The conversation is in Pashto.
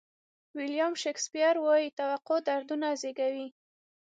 ویلیام شکسپیر وایي توقع دردونه زیږوي.